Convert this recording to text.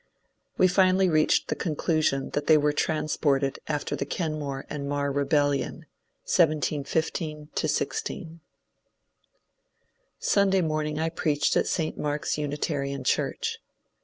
We finally reached the conclusion that they were transported after the Kenmore and Mar Rebellion, 1715 16. Sunday morning I preached at St. Mark's Unitarian church.